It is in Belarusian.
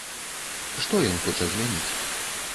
Што ён хоча змяніць?